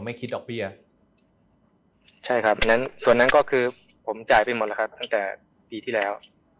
คิดดอกเบี้ยใช่ครับดังนั้นส่วนนั้นก็คือผมจ่ายไปหมดแล้วครับตั้งแต่ปีที่แล้ว